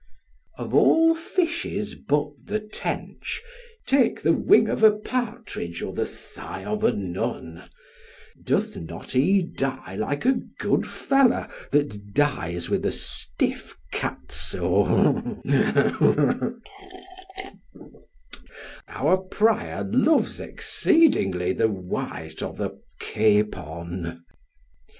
Of all fishes but the tench take the wing of a partridge or the thigh of a nun. Doth not he die like a good fellow that dies with a stiff catso? Our prior loves exceedingly the white of a capon.